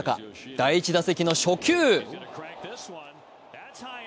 第１打席の初球。